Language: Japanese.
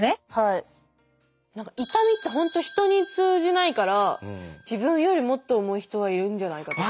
何か痛みって本当人に通じないから自分よりもっと重い人はいるんじゃないかとか。